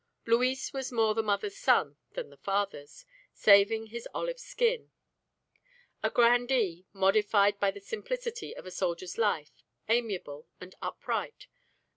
Luis was more the mother's son than the father's saving his olive skin; a grandee, modified by the simplicities of a soldier's life, amiable and upright.